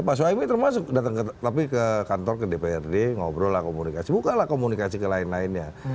pak soemi termasuk datang tapi ke kantor ke dprd ngobrol lah komunikasi bukalah komunikasi ke lain lainnya